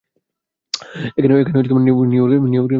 এখানে নিউ ইয়র্কে তৈরী করে নেব।